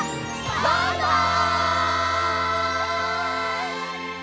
バイバイ！